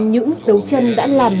những dấu chân đã làm